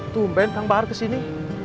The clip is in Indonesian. tungguin kang bahar kesini